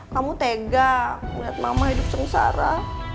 kamu tegang liat mama hidup sengsara